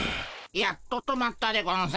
やっと止まったでゴンス。